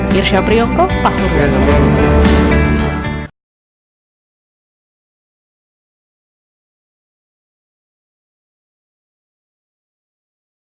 mirsya priyong ketua pengelola kota surabaya mengucapkan selamat pagi